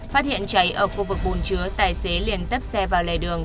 phát hiện cháy ở khu vực bồn chứa tài xế liền tấp xe vào lề đường